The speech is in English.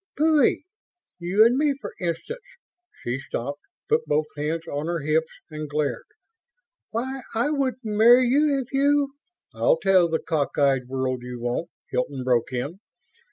"Phooie. You and me, for instance?" She stopped, put both hands on her hips, and glared. "Why, I wouldn't marry you if you ..." "I'll tell the cockeyed world you won't!" Hilton broke in.